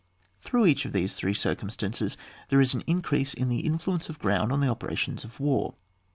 Through each of these three cir cumstances there is an increase in the influence of ground on the operations of war.